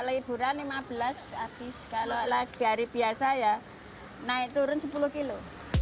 kalau liburan lima belas habis kalau lagi hari biasa ya naik turun sepuluh kilo